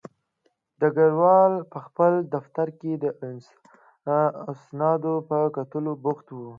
ډګروال په خپل دفتر کې د اسنادو په کتلو بوخت و